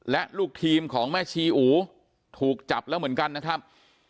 และลูกทีมของแม่ชีอูถูกจับแล้วเหมือนกันนะครับ